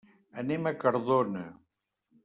Anem a Cardona.